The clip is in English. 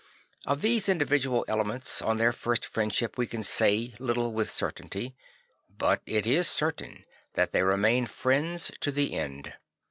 Of these individual elements on their first friendship we can say little with certainty; but it is certain that they remained friends to the end.